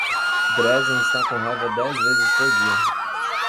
Brezen está com raiva dez vezes por dia.